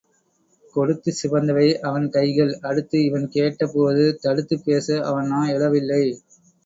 கொடுத்துச் சிவந்தவை அவன் கைகள் அடுத்து இவன் கேட்ட போது தடுத்துப் பேச அவன் நா எழவில்லை.